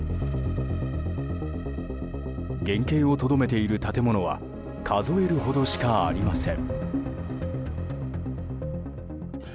原形をとどめている建物は数えるほどしかありません。